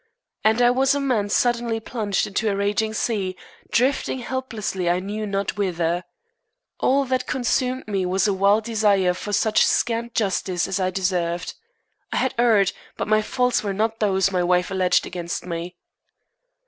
And I was a man suddenly plunged into a raging sea, drifting helplessly I knew not whither. All that consumed me was a wild desire for such scant justice as I deserved. I had erred, but my faults were not those my wife alleged against me.